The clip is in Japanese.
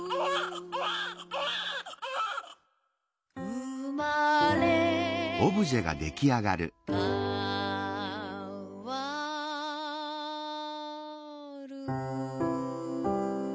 「うまれかわる」